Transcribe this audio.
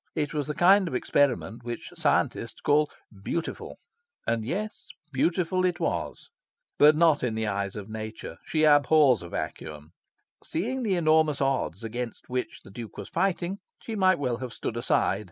It was the kind of experiment which scientists call "beautiful." And yes, beautiful it was. But not in the eyes of Nature. She abhors a vacuum. Seeing the enormous odds against which the Duke was fighting, she might well have stood aside.